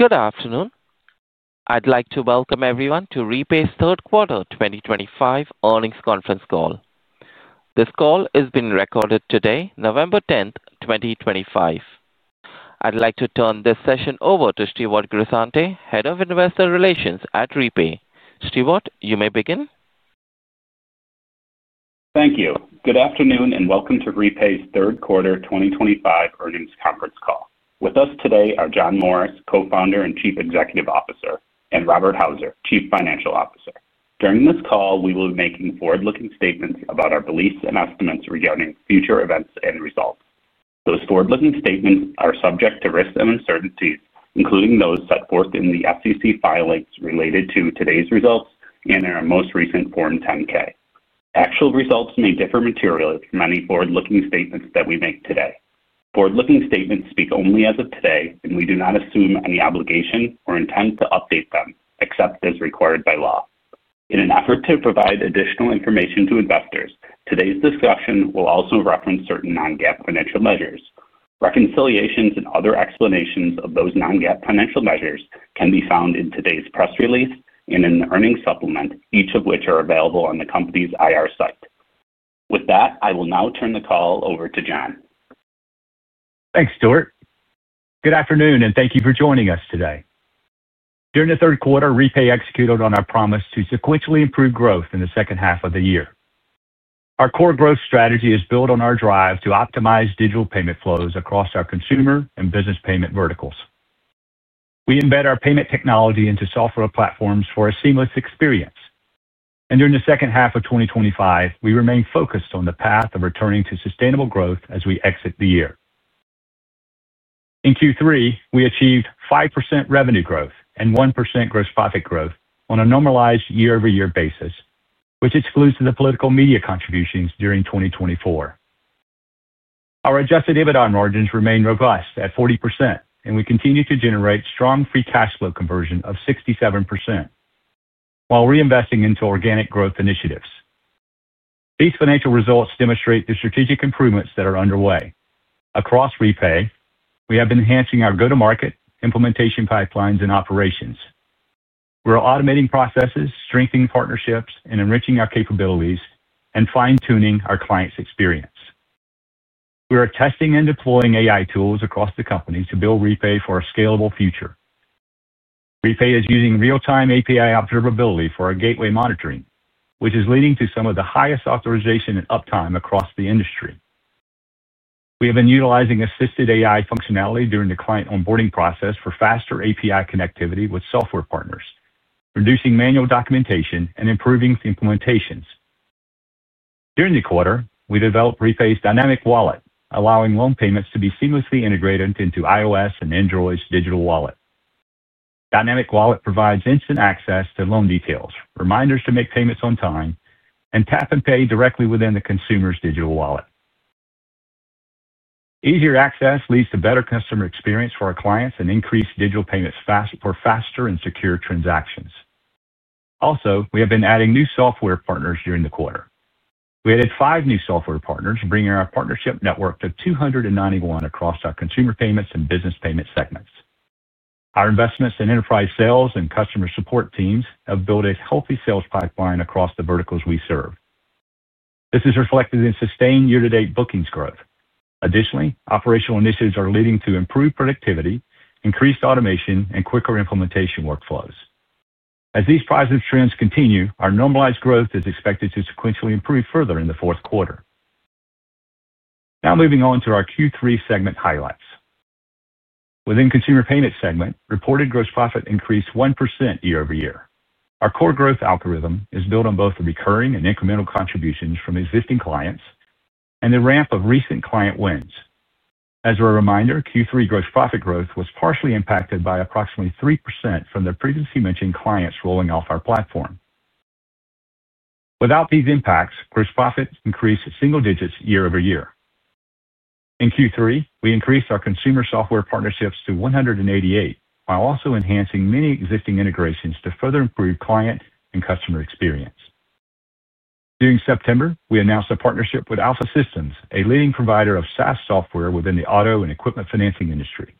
Good afternoon. I'd like to welcome everyone to Repay's third quarter 2025 earnings conference call. This call is being recorded today, November 10, 2025. I'd like to turn this session over to Stewart Grisante, Head of Investor Relations at Repay. Stewart, you may begin. Thank you. Good afternoon and welcome to Repay's third quarter 2025 earnings conference call. With us today are John Morris, Co-founder and Chief Executive Officer, and Robert Houser, Chief Financial Officer. During this call, we will be making forward-looking statements about our beliefs and estimates regarding future events and results. Those forward-looking statements are subject to risks and uncertainties, including those set forth in the SEC filings related to today's results and in our most recent Form 10-K. Actual results may differ materially from any forward-looking statements that we make today. Forward-looking statements speak only as of today, and we do not assume any obligation or intend to update them except as required by law. In an effort to provide additional information to investors, today's discussion will also reference certain non-GAAP financial measures. Reconciliations and other explanations of those non-GAAP financial measures can be found in today's press release and in the earnings supplement, each of which are available on the company's IR site. With that, I will now turn the call over to John. Thanks, Stewart. Good afternoon and thank you for joining us today. During the third quarter, Repay executed on our promise to sequentially improve growth in the second half of the year. Our core growth strategy is built on our drive to optimize digital payment flows across our consumer and business payment verticals. We embed our payment technology into software platforms for a seamless experience. During the second half of 2025, we remain focused on the path of returning to sustainable growth as we exit the year. In Q3, we achieved 5% revenue growth and 1% gross profit growth on a normalized year-over-year basis, which excludes the political media contributions during 2024. Our adjusted EBITDA margins remain robust at 40%, and we continue to generate strong free cash flow conversion of 67% while reinvesting into organic growth initiatives. These financial results demonstrate the strategic improvements that are underway. Across Repay, we have been enhancing our go-to-market, implementation pipelines, and operations. We are automating processes, strengthening partnerships, and enriching our capabilities, and fine-tuning our clients' experience. We are testing and deploying AI tools across the company to build Repay for a scalable future. Repay is using real-time API observability for our gateway monitoring, which is leading to some of the highest authorization and uptime across the industry. We have been utilizing assisted AI functionality during the client onboarding process for faster API connectivity with software partners, reducing manual documentation and improving implementations. During the quarter, we developed Repay's Dynamic Wallet, allowing loan payments to be seamlessly integrated into iOS and Android's digital wallet. Dynamic Wallet provides instant access to loan details, reminders to make payments on time, and tap and pay directly within the consumer's digital wallet. Easier access leads to better customer experience for our clients and increased digital payments for faster and secure transactions. Also, we have been adding new software partners during the quarter. We added five new software partners, bringing our partnership network to 291 across our consumer payments and business payment segments. Our investments in enterprise sales and customer support teams have built a healthy sales pipeline across the verticals we serve. This is reflected in sustained year-to-date bookings growth. Additionally, operational initiatives are leading to improved productivity, increased automation, and quicker implementation workflows. As these positive trends continue, our normalized growth is expected to sequentially improve further in the fourth quarter. Now moving on to our Q3 segment highlights. Within the consumer payments segment, reported gross profit increased 1% year-over-year. Our core growth algorithm is built on both the recurring and incremental contributions from existing clients and the ramp of recent client wins. As a reminder, Q3 gross profit growth was partially impacted by approximately 3% from the previously mentioned clients rolling off our platform. Without these impacts, gross profit increased single digits year-over-year. In Q3, we increased our consumer software partnerships to 188 while also enhancing many existing integrations to further improve client and customer experience. During September, we announced a partnership with Alpha Systems, a leading provider of SaaS software within the auto and equipment financing industry.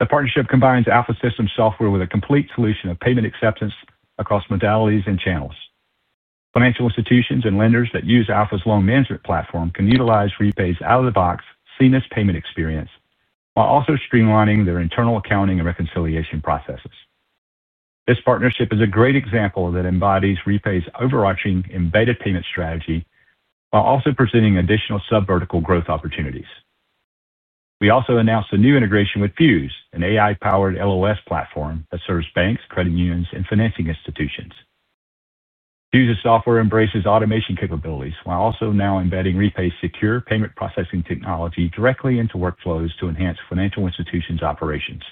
The partnership combines Alpha Systems software with a complete solution of payment acceptance across modalities and channels. Financial institutions and lenders that use Alpha's loan management platform can utilize Repay's out-of-the-box seamless payment experience while also streamlining their internal accounting and reconciliation processes. This partnership is a great example that embodies Repay's overarching embedded payment strategy while also presenting additional subvertical growth opportunities. We also announced a new integration with Fuse, an AI-powered LOS platform that serves banks, credit unions, and financing institutions. Fuse's software embraces automation capabilities while also now embedding Repay's secure payment processing technology directly into workflows to enhance financial institutions' operations.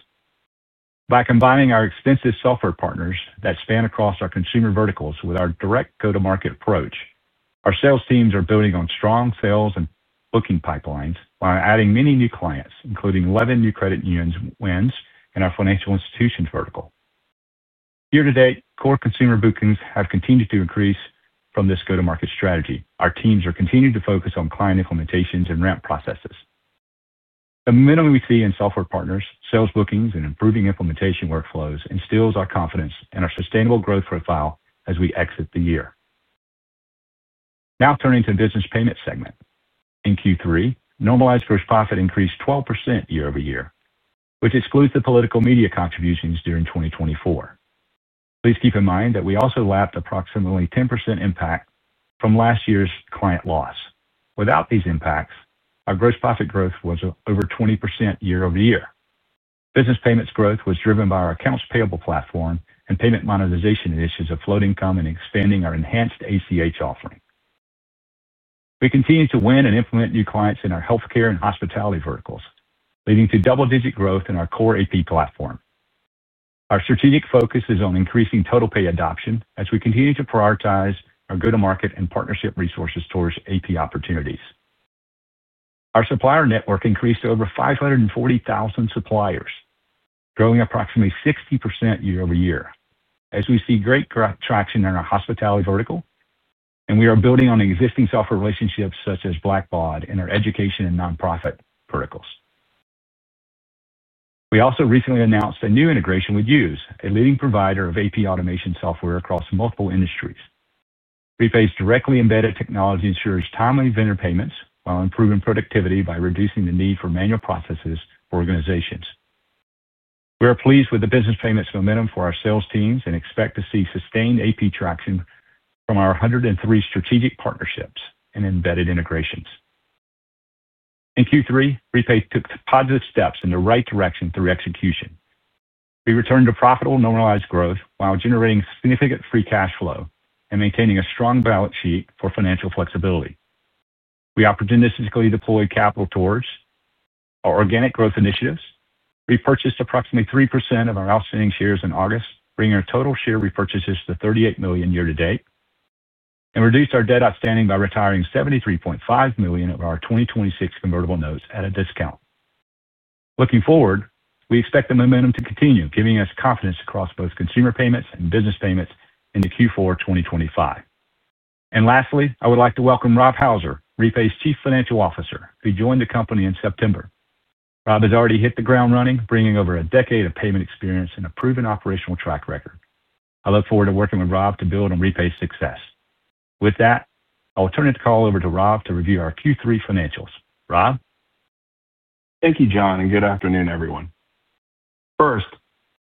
By combining our extensive software partners that span across our consumer verticals with our direct go-to-market approach, our sales teams are building on strong sales and booking pipelines while adding many new clients, including 11 new credit union wins, and our financial institutions vertical. Year-to-date, core consumer bookings have continued to increase from this go-to-market strategy. Our teams are continuing to focus on client implementations and ramp processes. The momentum we see in software partners, sales bookings, and improving implementation workflows instills our confidence in our sustainable growth profile as we exit the year. Now turning to the business payment segment. In Q3, normalized gross profit increased 12% year-over-year, which excludes the political media contributions during 2024. Please keep in mind that we also lapped approximately 10% impact from last year's client loss. Without these impacts, our gross profit growth was over 20% year-over-year. Business payments growth was driven by our accounts payable platform and payment monetization initiatives of float income and expanding our enhanced ACH offering. We continue to win and implement new clients in our healthcare and hospitality verticals, leading to double-digit growth in our core AP platform. Our strategic focus is on increasing TotalPay adoption as we continue to prioritize our go-to-market and partnership resources towards AP opportunities. Our supplier network increased to over 540,000 suppliers, growing approximately 60% year-over-year as we see great traction in our hospitality vertical, and we are building on existing software relationships such as Blackbaud and our education and nonprofit verticals. We also recently announced a new integration with Use, a leading provider of AP automation software across multiple industries. Repay's directly embedded technology ensures timely vendor payments while improving productivity by reducing the need for manual processes for organizations. We are pleased with the business payments momentum for our sales teams and expect to see sustained AP traction from our 103 strategic partnerships and embedded integrations. In Q3, Repay took positive steps in the right direction through execution. We returned to profitable normalized growth while generating significant free cash flow and maintaining a strong balance sheet for financial flexibility. We opportunistically deployed capital towards our organic growth initiatives, repurchased approximately 3% of our outstanding shares in August, bringing our total share repurchases to $38 million year-to-date, and reduced our debt outstanding by retiring $73.5 million of our 2026 convertible notes at a discount. Looking forward, we expect the momentum to continue, giving us confidence across both consumer payments and business payments in Q4 2025. Lastly, I would like to welcome Rob Hauser, Repay's Chief Financial Officer, who joined the company in September. Rob has already hit the ground running, bringing over a decade of payment experience and a proven operational track record. I look forward to working with Rob to build on Repay's success. With that, I will turn the call over to Rob to review our Q3 financials. Rob? Thank you, John, and good afternoon, everyone. First,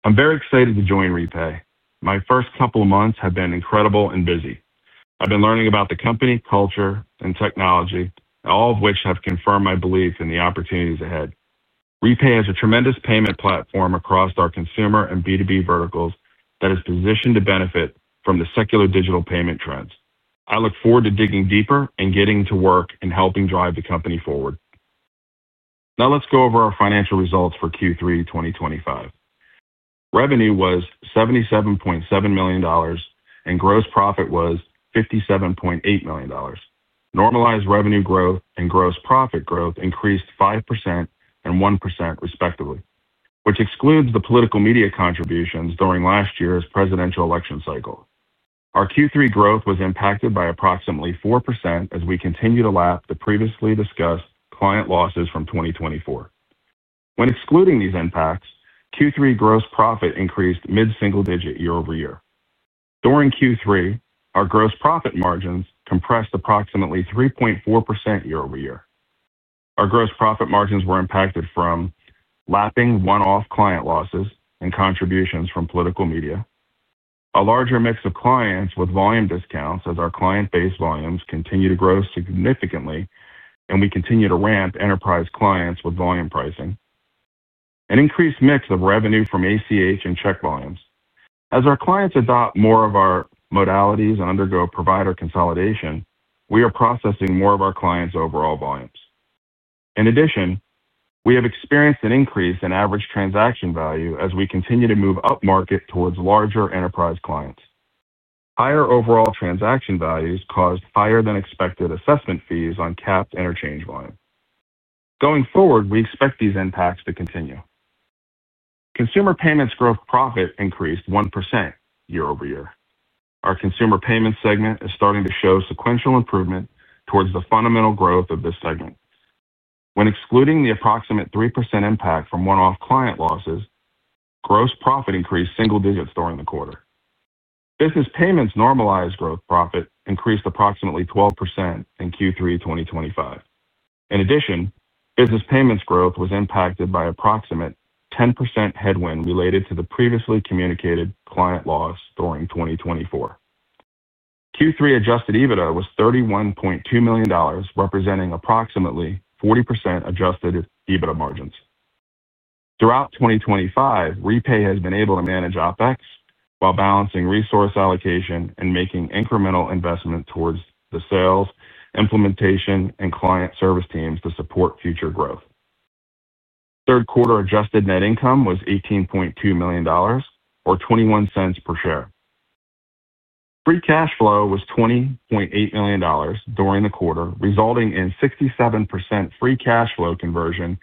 I'm very excited to join Repay. My first couple of months have been incredible and busy. I've been learning about the company, culture, and technology, all of which have confirmed my belief in the opportunities ahead. Repay has a tremendous payment platform across our consumer and B2B verticals that is positioned to benefit from the secular digital payment trends. I look forward to digging deeper and getting to work in helping drive the company forward. Now let's go over our financial results for Q3 2025. Revenue was $77.7 million, and gross profit was $57.8 million. Normalized revenue growth and gross profit growth increased 5% and 1% respectively, which excludes the political media contributions during last year's presidential election cycle. Our Q3 growth was impacted by approximately 4% as we continue to lap the previously discussed client losses from 2024. When excluding these impacts, Q3 gross profit increased mid-single digit year-over-year. During Q3, our gross profit margins compressed approximately 3.4% year-over-year. Our gross profit margins were impacted from lapping one-off client losses and contributions from political media. A larger mix of clients with volume discounts as our client base volumes continue to grow significantly, and we continue to ramp enterprise clients with volume pricing. An increased mix of revenue from ACH and check volumes. As our clients adopt more of our modalities and undergo provider consolidation, we are processing more of our clients' overall volumes. In addition, we have experienced an increase in average transaction value as we continue to move upmarket towards larger enterprise clients. Higher overall transaction values caused higher-than-expected assessment fees on capped interchange volume. Going forward, we expect these impacts to continue. Consumer payments gross profit increased 1% year-over-year. Our consumer payments segment is starting to show sequential improvement towards the fundamental growth of this segment. When excluding the approximate 3% impact from one-off client losses, gross profit increased single digits during the quarter. Business payments normalized gross profit increased approximately 12% in Q3 2025. In addition, business payments growth was impacted by approximate 10% headwind related to the previously communicated client loss during 2024. Q3 adjusted EBITDA was $31.2 million, representing approximately 40% adjusted EBITDA margins. Throughout 2025, Repay has been able to manage OpEx while balancing resource allocation and making incremental investment towards the sales, implementation, and client service teams to support future growth. Third quarter adjusted net income was $18.2 million, or $0.21 per share. Free cash flow was $20.8 million during the quarter, resulting in 67% free cash flow conversion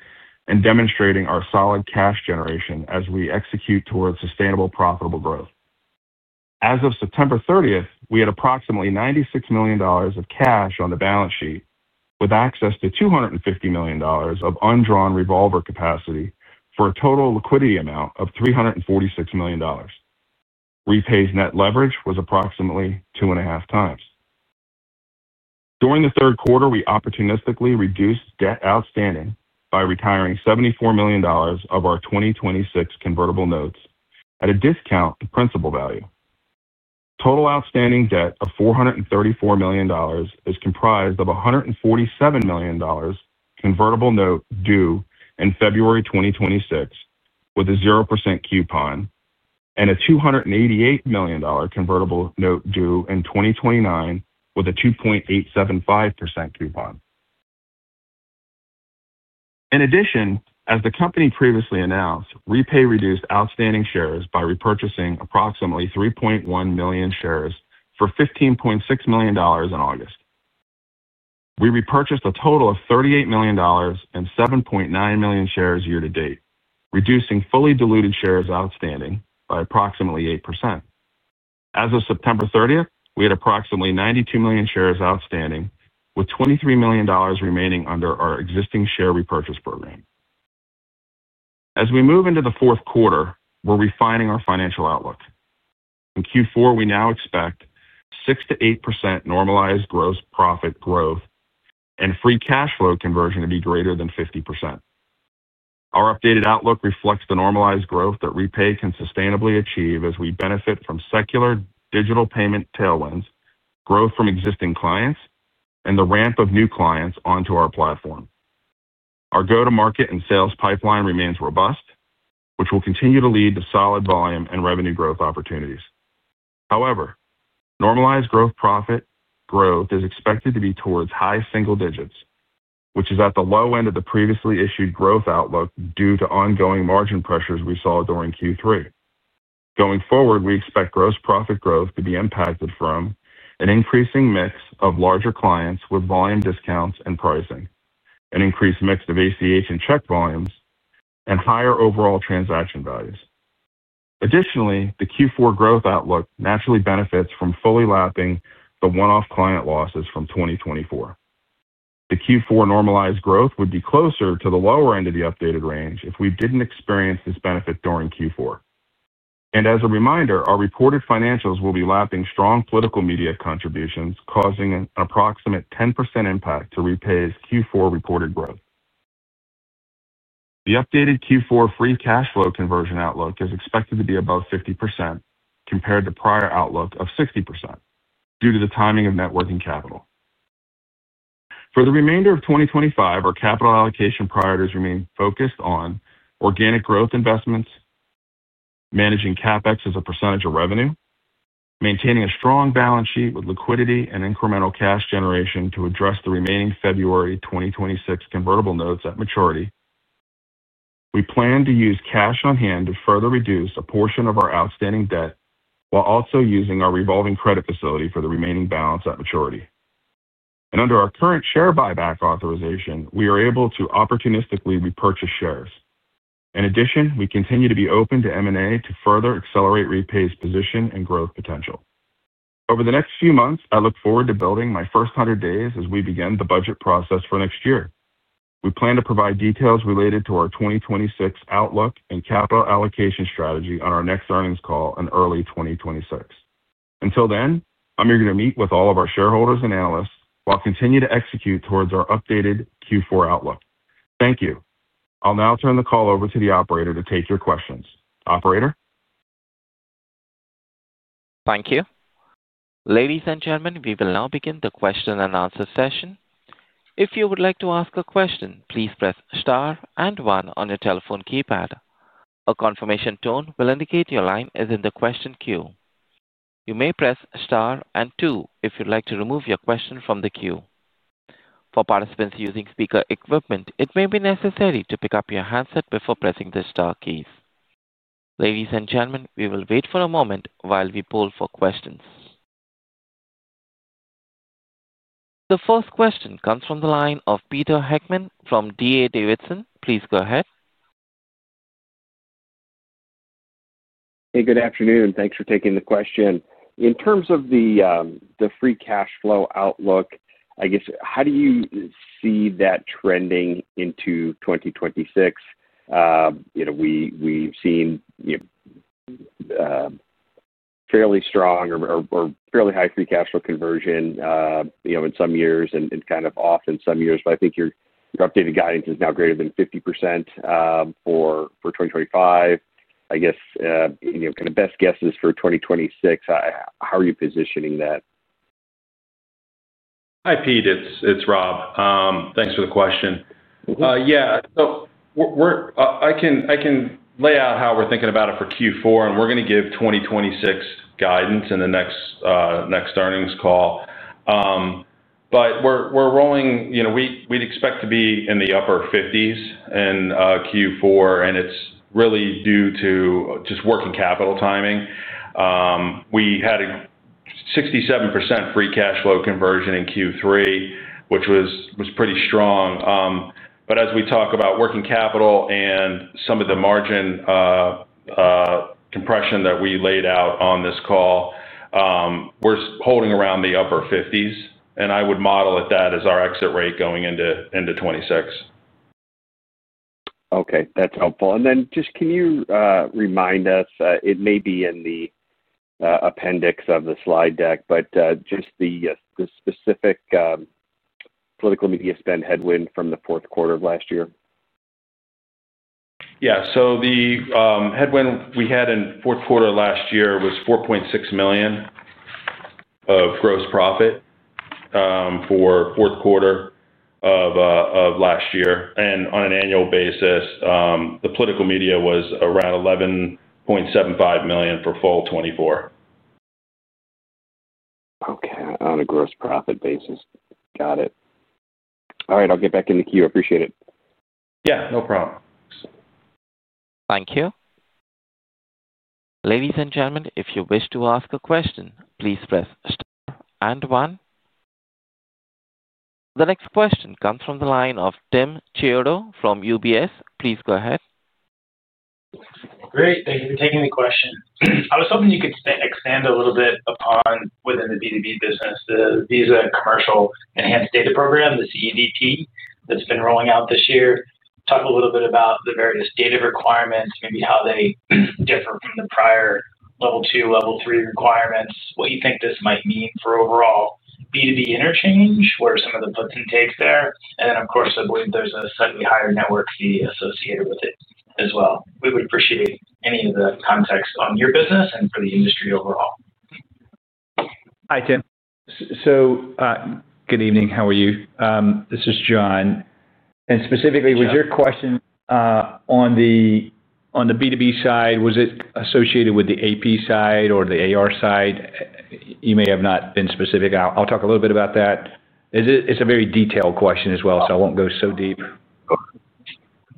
and demonstrating our solid cash generation as we execute towards sustainable profitable growth. As of September 30th, we had approximately $96 million of cash on the balance sheet with access to $250 million of undrawn revolver capacity for a total liquidity amount of $346 million. Repay's net leverage was approximately two and a half times. During the third quarter, we opportunistically reduced debt outstanding by retiring $74 million of our 2026 convertible notes at a discount to principal value. Total outstanding debt of $434 million is comprised of a $147 million convertible note due in February 2026 with a 0% coupon and a $288 million convertible note due in 2029 with a 2.875% coupon. In addition, as the company previously announced, Repay reduced outstanding shares by repurchasing approximately 3.1 million shares for $15.6 million in August. We repurchased a total of $38 million and 7.9 million shares year-to-date, reducing fully diluted shares outstanding by approximately 8%. As of September 30, we had approximately 92 million shares outstanding, with $23 million remaining under our existing share repurchase program. As we move into the fourth quarter, we're refining our financial outlook. In Q4, we now expect 6%-8% normalized gross profit growth and free cash flow conversion to be greater than 50%. Our updated outlook reflects the normalized growth that Repay can sustainably achieve as we benefit from secular digital payment tailwinds, growth from existing clients, and the ramp of new clients onto our platform. Our go-to-market and sales pipeline remains robust, which will continue to lead to solid volume and revenue growth opportunities. However, normalized gross profit growth is expected to be towards high single digits, which is at the low end of the previously issued growth outlook due to ongoing margin pressures we saw during Q3. Going forward, we expect gross profit growth to be impacted from an increasing mix of larger clients with volume discounts and pricing, an increased mix of ACH and check volumes, and higher overall transaction values. Additionally, the Q4 growth outlook naturally benefits from fully lapping the one-off client losses from 2024. The Q4 normalized growth would be closer to the lower end of the updated range if we did not experience this benefit during Q4. As a reminder, our reported financials will be lapping strong political media contributions, causing an approximate 10% impact to Repay's Q4 reported growth. The updated Q4 free cash flow conversion outlook is expected to be above 50% compared to prior outlook of 60% due to the timing of networking capital. For the remainder of 2025, our capital allocation priorities remain focused on organic growth investments, managing CapEx as a percentage of revenue, maintaining a strong balance sheet with liquidity and incremental cash generation to address the remaining February 2026 convertible notes at maturity. We plan to use cash on hand to further reduce a portion of our outstanding debt while also using our revolving credit facility for the remaining balance at maturity. Under our current share buyback authorization, we are able to opportunistically repurchase shares. In addition, we continue to be open to M&A to further accelerate Repay's position and growth potential. Over the next few months, I look forward to building my first 100 days as we begin the budget process for next year. We plan to provide details related to our 2026 outlook and capital allocation strategy on our next earnings call in early 2026. Until then, I'm here to meet with all of our shareholders and analysts while continuing to execute towards our updated Q4 outlook. Thank you. I'll now turn the call over to the operator to take your questions. Operator? Thank you. Ladies and gentlemen, we will now begin the question and answer session. If you would like to ask a question, please press star and one on your telephone keypad. A confirmation tone will indicate your line is in the question queue. You may press star and two if you'd like to remove your question from the queue. For participants using speaker equipment, it may be necessary to pick up your handset before pressing the star keys. Ladies and gentlemen, we will wait for a moment while we poll for questions. The first question comes from the line of Peter Heckmann from D.A. Davidson. Please go ahead. Hey, good afternoon, and thanks for taking the question. In terms of the free cash flow outlook, I guess, how do you see that trending into 2026? We've seen fairly strong or fairly high free cash flow conversion in some years and kind of off in some years, but I think your updated guidance is now greater than 50% for 2025. I guess kind of best guesses for 2026, how are you positioning that? Hi, Pete. It's Rob. Thanks for the question. so I can lay out how we're thinking about it for Q4, and we're going to give 2026 guidance in the next earnings call. We're rolling; we'd expect to be in the upper 50s in Q4, and it's really due to just working capital timing. We had a 67% free cash flow conversion in Q3, which was pretty strong. As we talk about working capital and some of the margin compression that we laid out on this call, we're holding around the upper 50s, and I would model it that as our exit rate going into 2026. Okay, that's helpful. Can you remind us, it may be in the appendix of the slide deck, but just the specific political media spend headwind from the fourth quarter of last year? so the headwind we had in fourth quarter last year was $4.6 million of gross profit for fourth quarter of last year. And on an annual basis, the political media was around $11.75 million for fall 2024. Okay, on a gross profit basis. Got it. All right, I'll get back in the queue. Appreciate it. no problem. Thank you. Ladies and gentlemen, if you wish to ask a question, please press star and one. The next question comes from the line of Tim Chiodo from UBS. Please go ahead. Great. Thank you for taking the question. I was hoping you could expand a little bit upon within the B2B business, the Visa Commercial Enhanced Data Program, the CEDT that's been rolling out this year. Talk a little bit about the various data requirements, maybe how they differ from the prior level two, level three requirements, what you think this might mean for overall B2B interchange, where some of the puts and takes there. I believe there's a slightly higher network fee associated with it as well. We would appreciate any of the context on your business and for the industry overall. Hi, Tim. Good evening. How are you? This is John. Specifically, was your question on the B2B side, was it associated with the AP side or the AR side? You may have not been specific. I'll talk a little bit about that. It's a very detailed question as well, so I won't go so deep.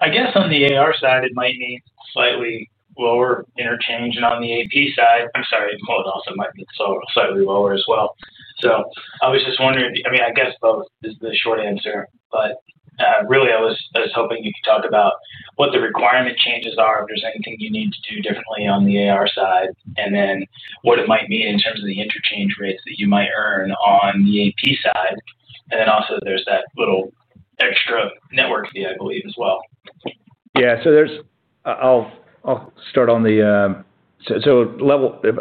I guess on the AR side, it might mean slightly lower interchange. On the AP side, I'm sorry, hold on. It might be slightly lower as well. I was just wondering, I guess both is the short answer, but really, I was hoping you could talk about what the requirement changes are, if there's anything you need to do differently on the AR side, and what it might mean in terms of the interchange rates that you might earn on the AP side. Also, there's that little extra network fee, I believe, as well. So I'll start on the so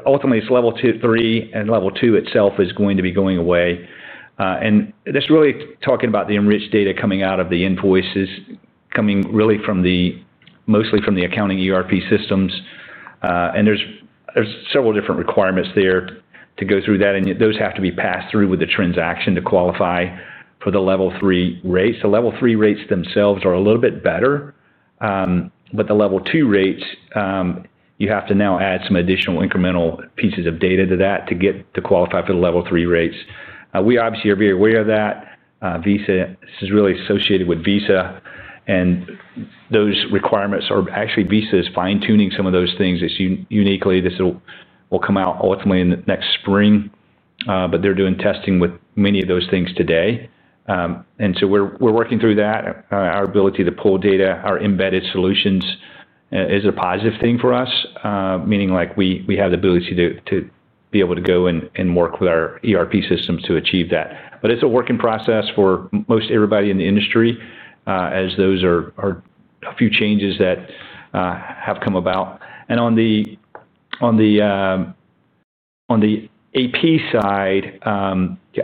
ultimately, it's level three, and level two itself is going to be going away. That's really talking about the enriched data coming out of the invoices, coming really mostly from the accounting ERP systems. There's several different requirements there to go through that, and those have to be passed through with the transaction to qualify for the level three rates. The level three rates themselves are a little bit better, but the level two rates, you have to now add some additional incremental pieces of data to that to qualify for the level three rates. We obviously are very aware of that. This is really associated with Visa, and those requirements are actually Visa is fine-tuning some of those things uniquely. This will come out ultimately in the next spring, but they're doing testing with many of those things today. We're working through that. Our ability to pull data, our embedded solutions is a positive thing for us, meaning we have the ability to be able to go and work with our ERP systems to achieve that. It is a work in process for most everybody in the industry, as those are a few changes that have come about. On the AP side,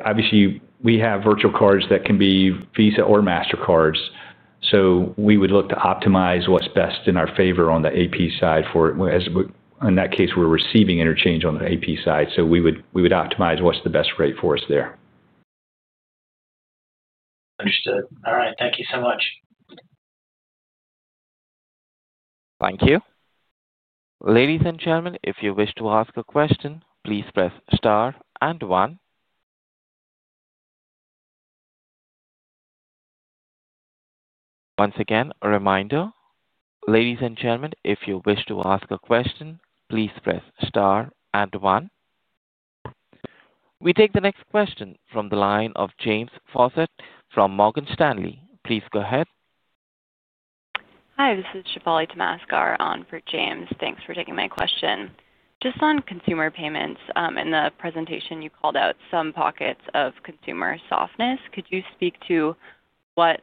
obviously, we have virtual cards that can be Visa or Mastercard. We would look to optimize what's best in our favor on the AP side, for in that case, we're receiving interchange on the AP side. We would optimize what's the best rate for us there. Understood. All right. Thank you so much. Thank you. Ladies and gentlemen, if you wish to ask a question, please press star and one. Once again, a reminder. Ladies and gentlemen, if you wish to ask a question, please press star and one. We take the next question from the line of Jabali Tamaskar from Morgan Stanley. Please go ahead. Hi, this is Jabali Tamaskar on for James. Thanks for taking my question. Just on consumer payments, in the presentation, you called out some pockets of consumer softness. Could you speak to what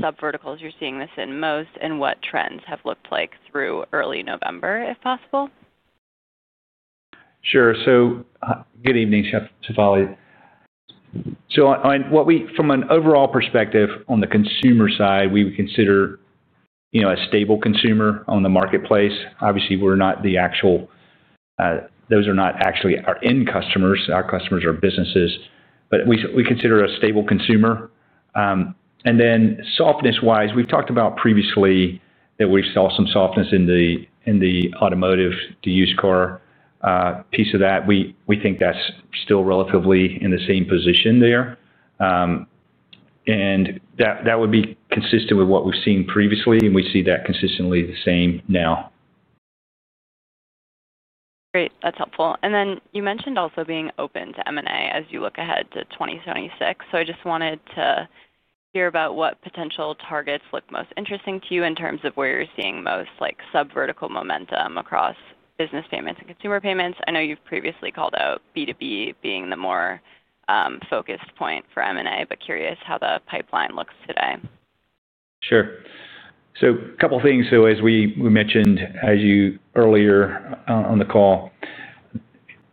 subverticals you're seeing this in most and what trends have looked like through early November, if possible? Sure. Good evening, Jabali. From an overall perspective on the consumer side, we would consider a stable consumer on the marketplace. Obviously, those are not actually our end customers. Our customers are businesses, but we consider a stable consumer. Softness-wise, we've talked about previously that we saw some softness in the automotive-to-used car piece of that. We think that's still relatively in the same position there. That would be consistent with what we've seen previously, and we see that consistently the same now. Great. That's helpful. You mentioned also being open to M&A as you look ahead to 2026. I just wanted to hear about what potential targets look most interesting to you in terms of where you're seeing most subvertical momentum across business payments and consumer payments. I know you've previously called out B2B being the more focused point for M&A, but curious how the pipeline looks today. Sure. A couple of things. As we mentioned earlier on the call,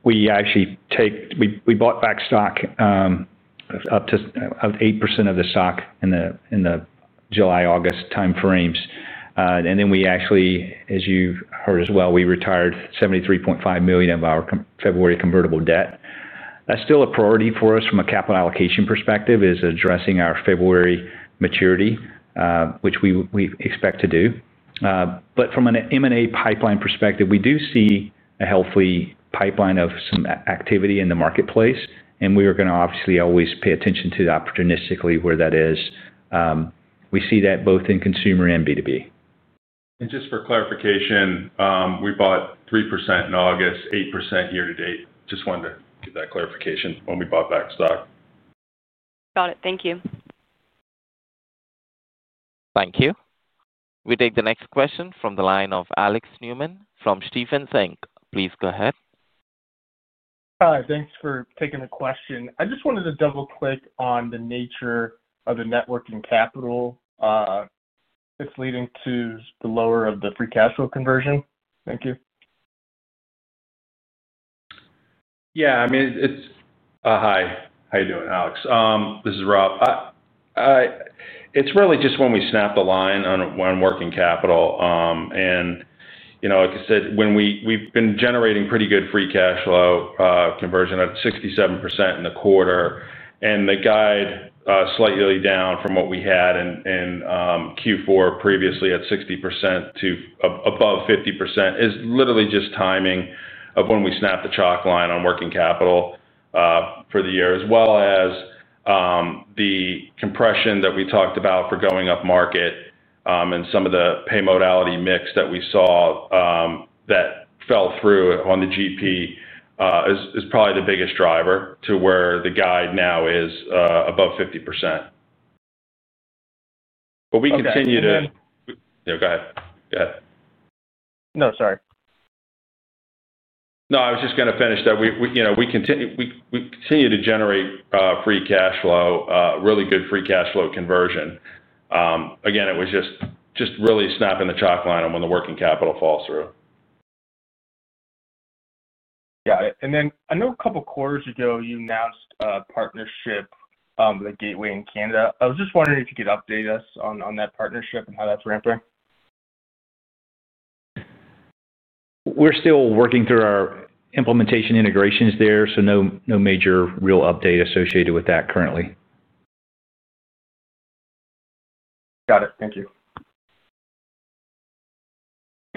we actually bought back stock of up to 8% of the stock in the July-August time frames. We actually, as you heard as well, retired $73.5 million of our February convertible debt. That is still a priority for us from a capital allocation perspective, addressing our February maturity, which we expect to do. From an M&A pipeline perspective, we do see a healthy pipeline of some activity in the marketplace, and we are going to obviously always pay attention to opportunistically where that is. We see that both in consumer and B2B. Just for clarification, we bought 3% in August, 8% year to date. Just wanted to give that clarification when we bought back stock. Got it. Thank you. Thank you. We take the next question from the line of Alex Neumann from Stephens. Please go ahead. Hi. Thanks for taking the question. I just wanted to double-click on the nature of the net working capital that's leading to the lower free cash flow conversion. Thank you. I mean, it's hi. How you doing, Alex? This is Rob. It's really just when we snapped the line on working capital. And like I said, we've been generating pretty good free cash flow conversion at 67% in the quarter. The guide slightly down from what we had in Q4 previously at 60% to above 50% is literally just timing of when we snapped the chalk line on working capital for the year, as well as the compression that we talked about for going up market and some of the pay modality mix that we saw that fell through on the GP is probably the biggest driver to where the guide now is above 50%. But we continue to. And then. Go ahead. No, sorry. No, I was just going to finish that. We continue to generate free cash flow, really good free cash flow conversion. Again, it was just really snapping the chalk line on when the working capital falls through. I know a couple of quarters ago, you announced a partnership with a gateway in Canada. I was just wondering if you could update us on that partnership and how that's ramping. We're still working through our implementation integrations there, so no major real update associated with that currently.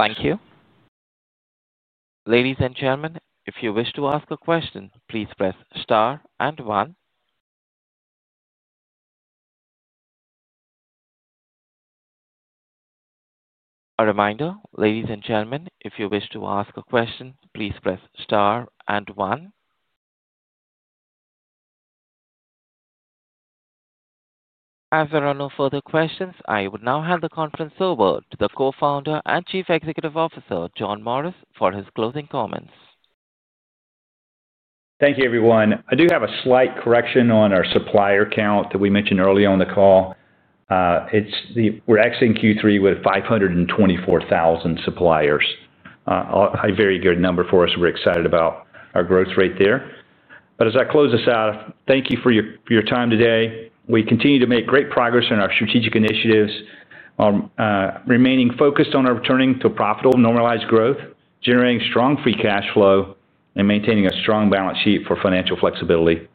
Got it. Thank you. Thank you. Ladies and gentlemen, if you wish to ask a question, please press star and one. A reminder, ladies and gentlemen, if you wish to ask a question, please press star and one. As there are no further questions, I would now hand the conference over to the Co-founder and Chief Executive Officer, John Morris, for his closing comments. Thank you, everyone. I do have a slight correction on our supplier count that we mentioned earlier on the call. We are exiting Q3 with 524,000 suppliers. A very good number for us. We are excited about our growth rate there. As I close this out, thank you for your time today. We continue to make great progress in our strategic initiatives, remaining focused on our returning to profitable normalized growth, generating strong free cash flow, and maintaining a strong balance sheet for financial flexibility.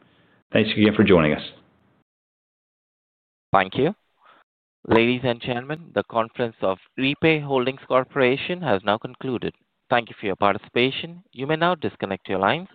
Thanks again for joining us. Thank you. Ladies and gentlemen, the conference of Repay Holdings Corporation has now concluded. Thank you for your participation. You may now disconnect your lines.